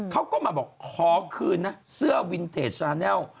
เขาก็มาบอกขอคืนนะเสื้อวินเทจซาแนล